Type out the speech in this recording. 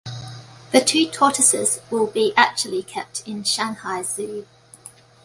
The two tortoises will be actually kept in Shanghai Zoo.